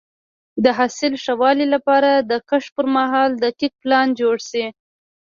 د حاصل د ښه والي لپاره د کښت پر مهال دقیق پلان جوړ شي.